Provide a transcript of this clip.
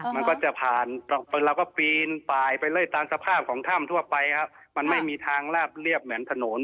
มันก็จะผ่านเราก็ปีนปลายไปเรื่อยตามสภาพของถ้ำทั่วไปครับมันไม่มีทางลาบเรียบเหมือนถนน